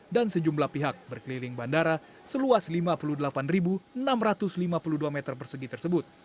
sejumlah pihak berkeliling bandara seluas lima puluh delapan enam ratus lima puluh dua meter persegi tersebut